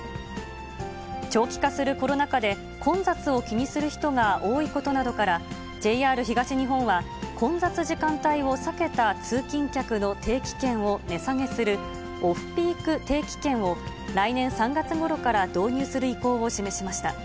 長期化するコロナ禍で混雑を気にする人が多いことなどから、ＪＲ東日本は、混雑時間帯を避けた通勤客の定期券を値下げするオフピーク定期券を来年３月ごろから導入する意向を示しました。